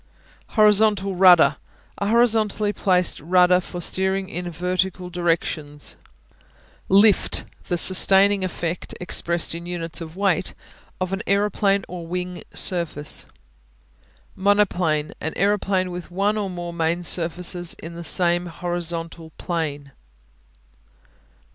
Horizontal Rudder A horizontally placed rudder for steering in vertical directions. Lift The sustaining effect, expressed in units of weight of an aeroplane or wing surface. Monoplane An aeroplane with one or more main surfaces in the same horizontal plane.